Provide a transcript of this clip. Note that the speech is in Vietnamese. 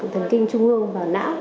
tầng kinh trung ương vào não